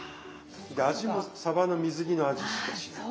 で味もさばの水煮の味しかしない。